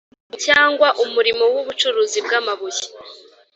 cyangwa umurimo wubucuruzi bwamabuye